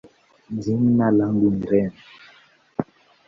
jina langu ni Reem.